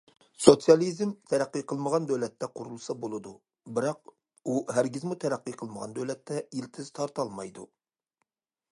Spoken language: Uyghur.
سوتسىيالىزم تەرەققىي قىلمىغان دۆلەتتە قۇرۇلسا بولىدۇ، بىراق، ئۇ ھەرگىزمۇ تەرەققىي قىلمىغان دۆلەتتە يىلتىز تارتالمايدۇ.